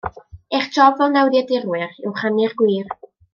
Eich job fel newyddiadurwyr yw rhannu'r gwir.